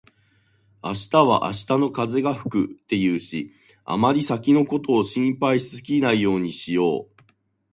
「明日は明日の風が吹く」って言うし、あまり先のことを心配しすぎないようにしよう。